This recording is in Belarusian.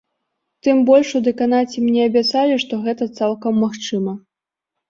Тым больш у дэканаце мне абяцалі, што гэта цалкам магчыма.